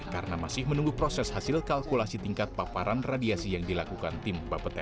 karena masih menunggu proses hasil kalkulasi tingkat paparan radiasi yang dilakukan tim bapeten